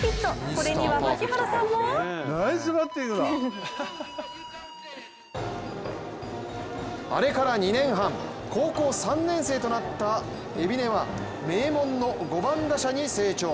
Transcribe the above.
これには槙原さんもあれから２年半、高校３年生となった海老根は名門の５番打者に成長。